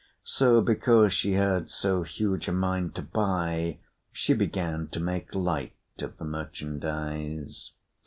So, because she had so huge a mind to buy, she began to make light of the merchandise.